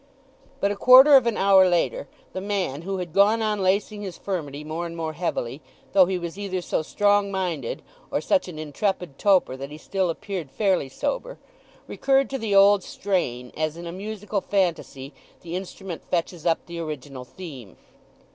But a quarter of an hour later the man, who had gone on lacing his furmity more and more heavily, though he was either so strong minded or such an intrepid toper that he still appeared fairly sober, recurred to the old strain, as in a musical fantasy the instrument fetches up the original theme.